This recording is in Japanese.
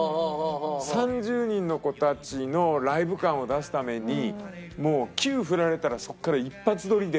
３０人の子たちのライブ感を出すためにもうキュー振られたらそこから一発撮りで。